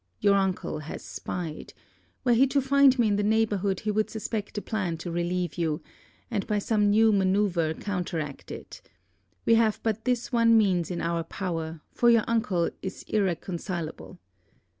Your uncle has spied. Were he to find me in the neighbourhood, he would suspect a plan to relieve you; and by some new manoeuvre counteract it. We have but this one means in our power, for your uncle is irreconcileable.